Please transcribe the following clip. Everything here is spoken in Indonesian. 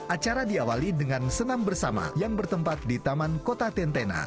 acara diawali dengan senam bersama yang bertempat di taman kota tentena